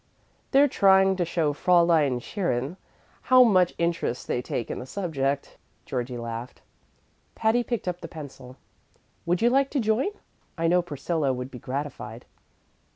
"They're trying to show Fräulein Scherin how much interest they take in the subject," Georgie laughed. Patty picked up the pencil. "Would you like to join? I know Priscilla would be gratified."